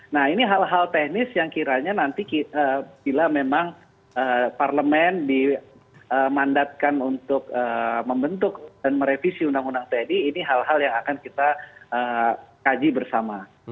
nah ini hal hal teknis yang kiranya nanti bila memang parlemen dimandatkan untuk membentuk dan merevisi undang undang tni ini hal hal yang akan kita kaji bersama